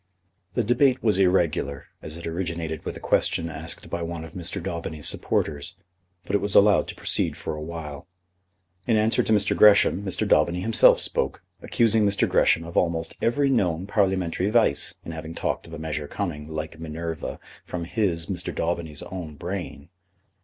The debate was irregular, as it originated with a question asked by one of Mr. Daubeny's supporters, but it was allowed to proceed for a while. In answer to Mr. Gresham, Mr. Daubeny himself spoke, accusing Mr. Gresham of almost every known Parliamentary vice in having talked of a measure coming, like Minerva, from his, Mr. Daubeny's, own brain.